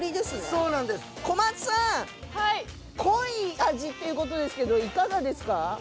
濃い味っていう事ですけどいかがですか？